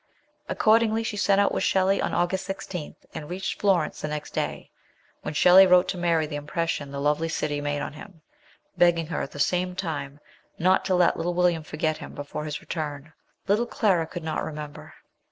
Accordingly she set out with Shelley on August 19, and reached Florence the next day, when Shelley wrote to Mary the impression the lovely city made on him, begging her, at the same time, not to let little William forget him before his return little Clara could not re member.